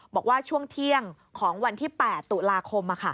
บอกว่าช่วงเที่ยงของวันที่๘ตุลาคม